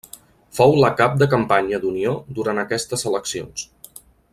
Fou la cap de campanya d'Unió durant aquestes eleccions.